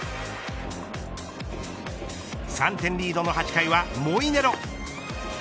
３点リードの８回はモイネロ。